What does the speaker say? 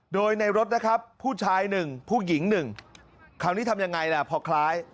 โดยในรถนะครับผู้ชายหนึ่งผู้หญิง๑คราวนี้ทำยังไงล่ะพอคล้าย